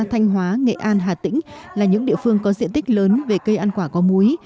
cây ăn quả có múi là những địa phương có diện tích lớn về cây ăn quả có múi